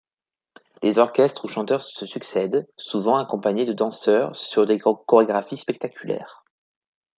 Les orchestres ou chanteurs se succèdent, souvent accompagnés de danseurs sur des chorégraphies spectaculaires.